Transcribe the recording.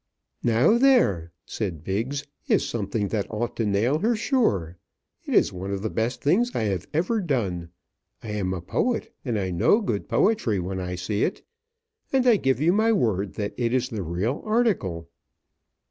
"Now, there," said Biggs, "is something that ought to nail her sure. It is one of the best things I have ever done. I am a poet, and I know good poetry when I see it; and I give you my word that is the real article."